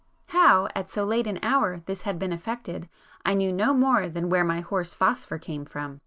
How, at so late an hour, this had been effected, I knew no more than where my horse 'Phosphor' came from.